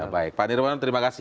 baik pak nirwono terima kasih